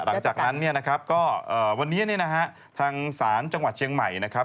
หลังจากนั้นเนี่ยนะครับก็วันนี้เนี่ยนะฮะทางศาลจังหวัดเชียงใหม่นะครับ